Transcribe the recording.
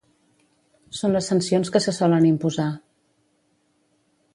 Són les sancions que se solen imposar.